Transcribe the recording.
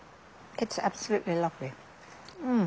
うん！